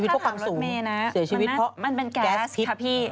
ถ้าผ่านความสุงแล้วจะเป็นแค่พลักษณ์